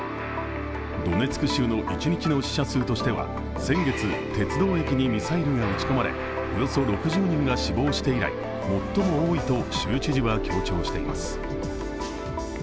ドネツク州の一日の死者数としては先月、鉄道駅にミサイルが撃ち込まれおよそ６０人が死亡して以来、最も多いと州知事は強調しています。